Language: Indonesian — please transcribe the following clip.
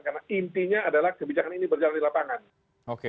karena intinya adalah kebijakan ini berjalan di lapangan